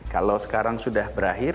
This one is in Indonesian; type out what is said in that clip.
kalau sekarang sudah berakhir